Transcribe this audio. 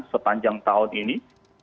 sepanjang tahun ini